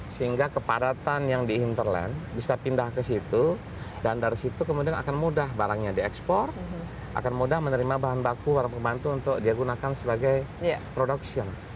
sehingga kepadatan yang di hinterland bisa pindah ke situ dan dari situ kemudian akan mudah barangnya diekspor akan mudah menerima bahan baku para pembantu untuk dia gunakan sebagai production